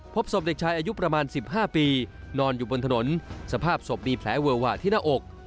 พบศพเด็กชายอายุประมาณ๑๕ปีนอนอยู่บนถนนสภาพศพมีแผลเวอะวะที่หน้าอก